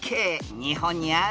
［日本にある？